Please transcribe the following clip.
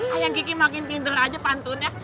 ayang kiki makin pinter aja pantunnya